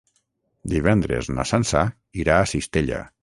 Divendres na Sança irà a Cistella.